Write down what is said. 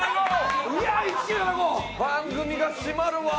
番組が締まるわ。